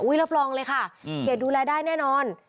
รับรองเลยค่ะเกดดูแลได้แน่นอน